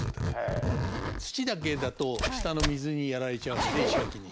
土だけだと下の水にやられちゃうんで石垣に。